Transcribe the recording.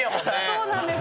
そうなんです。